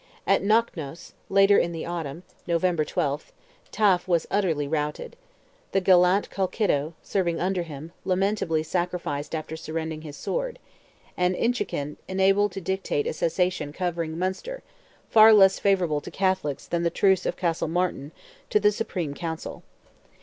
At Knocknos, later in the autumn (Nov. 12th), Taafe was utterly routed; the gallant Colkitto, serving under him, lamentably sacrificed after surrendering his sword; and Inchiquin enabled to dictate a cessation covering Munster—far less favourable to Catholics than the truce of Castlemartin—to the Supreme Council.